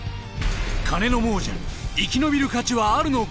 金の亡者に生き延びる価値はあるのか？